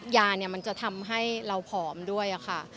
ยาเนี่ยมันจะทำให้เราผอมด้วยค่ะ